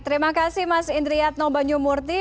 terima kasih mas indriatno banyumurti